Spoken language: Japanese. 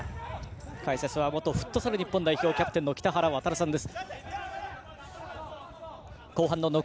解説は元フットサル代表キャプテンの北原亘さんです。